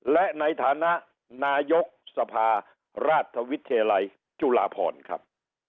และในฐานะนายกสภาราชวิทยาลัยจุฬาพรครับ